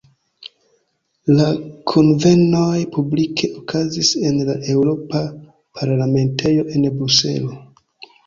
La kunvenoj publike okazis en la Eŭropa Parlamentejo en Bruselo.